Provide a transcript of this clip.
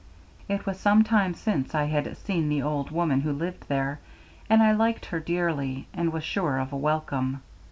It was some time since I had seen the old woman who lived there, and I liked her dearly, and was sure of a welcome.